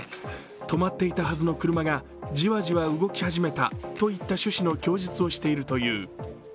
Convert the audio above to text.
止まっていたはずの車がじわじわ動き始めたといった趣旨の供述をしているという。